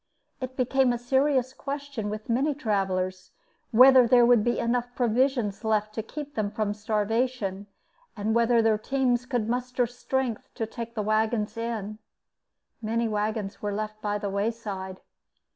It became a serious question with many travelers whether there would be enough provisions left to keep them from starvation and whether their teams could muster strength to take the wagons in. Many wagons were left by the wayside.